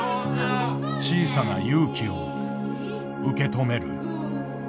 小さな勇気を受け止める。